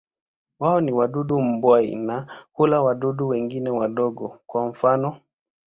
Wao ni wadudu mbuai na hula wadudu wengine wadogo, kwa mfano.